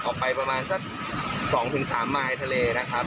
ออกไปประมาณสัก๒๓ไมล์ทะเลนะครับ